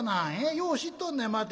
よう知っとんねんまた。